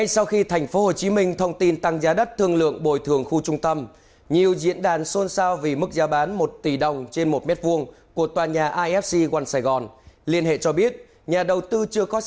xin chào và hẹn gặp lại trong các video tiếp theo